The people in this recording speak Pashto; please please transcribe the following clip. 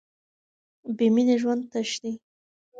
بې مینې ژوند تش دی.